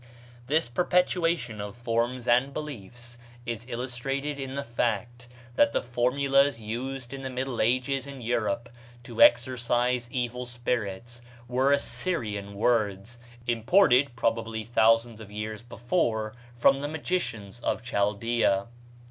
This perpetuation of forms and beliefs is illustrated in the fact that the formulas used in the Middle Ages in Europe to exorcise evil spirits were Assyrian words, imported probably thousands of years before from the magicians of Chaldea.